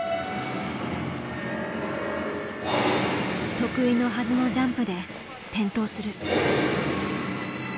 得意のはずのジャンプで転倒する。